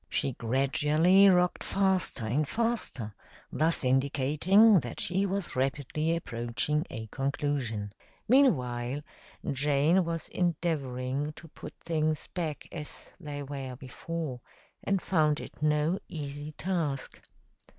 She gradually rocked faster and faster, thus indicating that she was rapidly approaching a conclusion. Meanwhile, Jane was endeavoring to put things back as they were before and found it no easy task.